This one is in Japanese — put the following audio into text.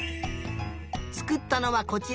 つくったのはこちら。